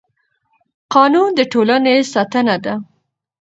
قانون د ټولنې ستنه ده